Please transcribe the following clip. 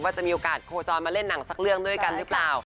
จะมีโอกาสโคจรมาเล่นหนังสักเรื่องด้วยกันหรือเปล่า